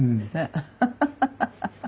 アハハハハ！